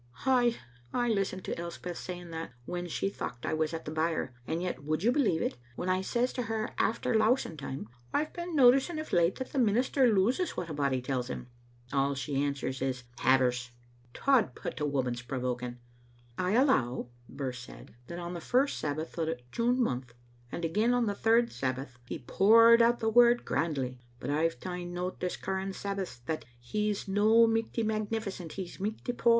Ay, I listened to Elspeth saying that, when she thocht I was at the byre, and yet, would you believe it, when I says to her after lousing time, *rve been noticing of late that the minister loses what a body tells him,' all she answers is 'Havers.* Tod, but women's provoking." " I allow," Birse said, " that on the first Sabbath o* June month, and again on the third Sabbath, he poured out the Word grandly, but I've ta'en note this curran Sabbaths that if he's no michty magnificent he's michty poor.